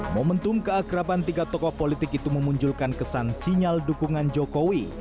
momentum keakrapan tiga tokoh politik itu memunculkan kesan sinyal dukungan jokowi